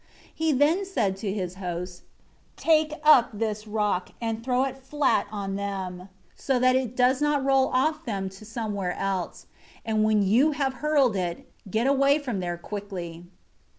6 He then said to his hosts, "Take up this stone, and throw it flat on them, so that it doesn't roll off them to somewhere else. And when you have hurled it, get away from there quickly."